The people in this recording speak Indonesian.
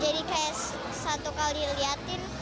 jadi kayak satu kali liatin